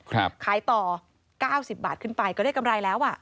ขายต่อ๙๐บาทขึ้นไปก็ได้กำไรแล้ว